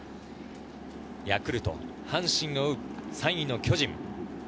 ヤクルト、阪神を追う３位・巨人。